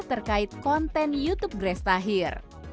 terkait konten youtube grace tahir